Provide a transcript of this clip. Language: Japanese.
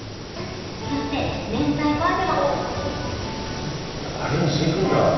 そして明太子味もいやアレンジしていくんだ。